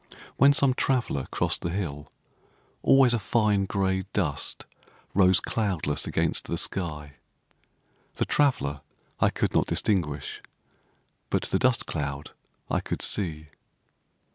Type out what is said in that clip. When some traveller crossed the hill, always a fine grey dust rose cloudless against the sky. The traveller I could not distinguish, but the dust cloud I could see.